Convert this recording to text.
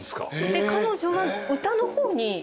で彼女は歌の方に。